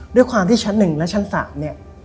ด้วยความที่ชั้น๑และชั้น๓เนี่ย